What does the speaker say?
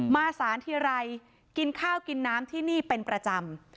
มาสารทีไรกินข้าวกินน้ำที่นี่เป็นประจำ